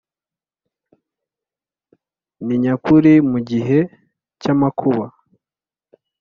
Ni nyakuri mu gihe cy amakuba